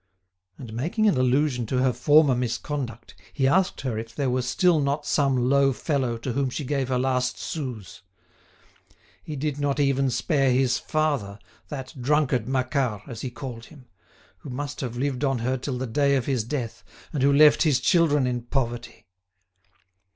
And making an allusion to her former misconduct he asked her if there were still not some low fellow to whom she gave her last sous? He did not even spare his father, that drunkard Macquart, as he called him, who must have lived on her till the day of his death, and who left his children in poverty.